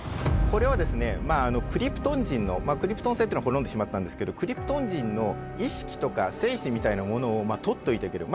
これはですねクリプトン人のまあクリプトン星というのは滅んでしまったんですけどクリプトン人の意識とか精神みたいなものを取っておいておける。